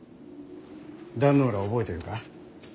壇ノ浦を覚えてるか。